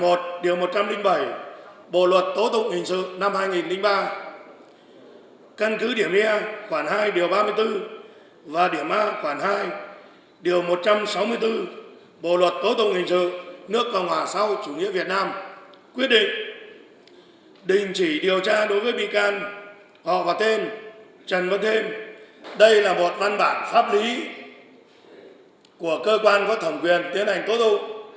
ông thêm trần văn thêm đây là một văn bản pháp lý của cơ quan phát thẩm quyền tiến hành tố tụ